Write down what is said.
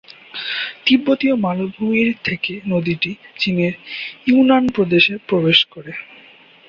তিব্বতীয় মালভূমির থেকে নদীটি চীনের ইউনান প্রদেশে প্রবেশ করে।